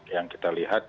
yang kita lihat